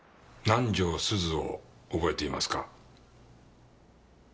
南条すずを覚えていますか？